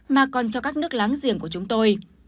mà còn cho các nước láng giềng của chúng tôi